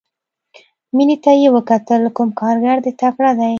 مينې ته يې وکتل کوم کارګر دې تکړه دى.